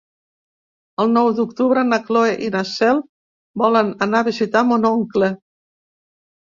El nou d'octubre na Cloè i na Cel volen anar a visitar mon oncle.